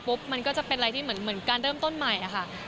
มันก็จะเป็นอะไรที่เหมือนการเริ่มต้นใหม่ค่ะ